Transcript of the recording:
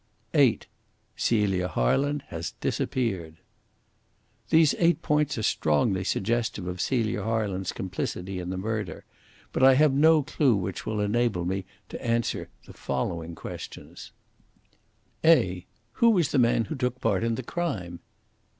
(8) Celia Harland has disappeared. These eight points are strongly suggestive of Celia Harland's complicity in the murder. But I have no clue which will enable me to answer the following questions: (a) Who was the man who took part in the crime?